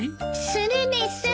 するです。